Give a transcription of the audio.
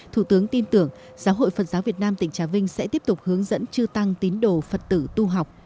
thủ tướng tin tưởng giáo hội phật giáo việt nam tỉnh trà vinh sẽ tiếp tục hướng dẫn chư tăng tín đồ phật tử tu học